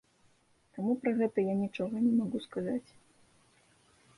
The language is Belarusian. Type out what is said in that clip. Таму пра гэта я нічога не магу сказаць.